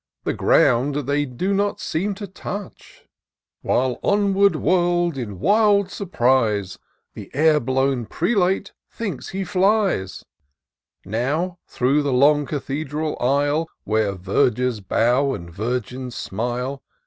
The ground they do not seem to touch ; Wliile onward whirl'd in wild surprise, The air blown Prelate thinks he flies. T 138 TOUR OF DOCTOR SYNTAX Now, through the long cathedral aisle, Where vergers bow and virgms smile.